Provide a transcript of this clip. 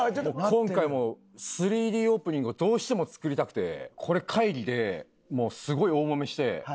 今回もう３Ｄオープニングをどうしても作りたくてこれ会議ですごい大もめして。